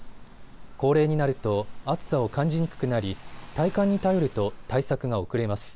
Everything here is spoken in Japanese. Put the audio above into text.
高齢になると暑さを感じにくくなり体感に頼ると対策が遅れます。